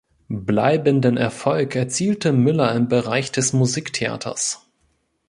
Bleibenden Erfolg erzielte Müller im Bereich des Musiktheaters.